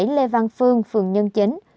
hai mươi bảy lê văn phương phường nhân chính